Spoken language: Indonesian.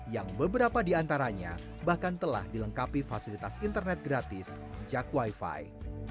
yang beberapa diantaranya bahkan telah dilengkapi fasilitas internet gratis jak wifi